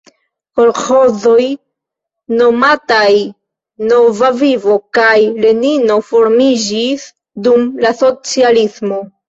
Kolĥozoj nomataj "Nova Vivo" kaj Lenino formiĝis dum la socialismo.